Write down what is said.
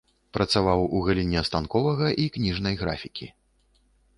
Працаваў у галіне станковага і кніжнай графікі.